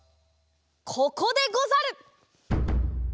ここでござる！